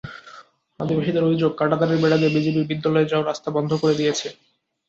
আদিবাসীদের অভিযোগ, কাঁটাতারের বেড়া দিয়ে বিজিবি বিদ্যালয়ে যাওয়ার রাস্তা বন্ধ করে দিয়েছে।